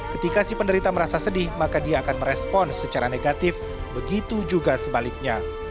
ketika si penderita merasa sedih maka dia akan merespon secara negatif begitu juga sebaliknya